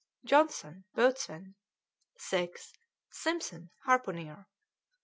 Johnson, boatswain; 6. Simpson, harpooner; 7.